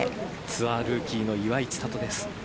ツアールーキーの岩井千怜です。